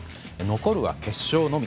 残るは決勝のみ。